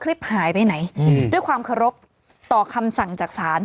คลิปหายไปไหนด้วยความเคารพต่อคำสั่งจากศาล